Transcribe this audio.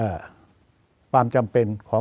จะพิจารณาคม